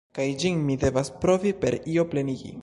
Kaj ĝin mi devas provi per io plenigi.